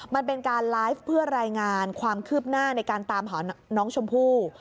มันเป็นการไลฟ์เพื่อรายงานความคืบหน้าในการตามหาน้องชมพู่